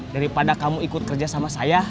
daripada kamu ikut kerja sama saya